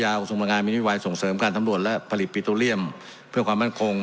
ส่งบังงานวิทยาวิทยาวิทยาวิทยาวิทยาส่งเสริมการทำรวจและผลิตปิโตเรียมเพื่อความมั่นคง